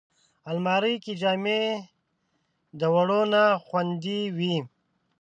الماري کې جامې د دوړو نه خوندي وي